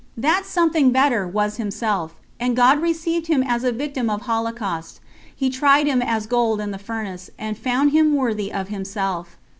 That something better was himself, "and God received him as a victim of holocaust; He tried him as gold in the furnace, and found him worthy of Himself."